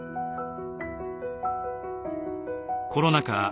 コロナ禍